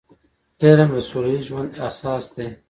علم د سوله ییز ژوند اساس دی.